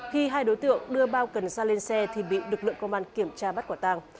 khi hai đối tượng đưa bao cần sa lên xe thì bị lực lượng công an kiểm tra bắt quả tàng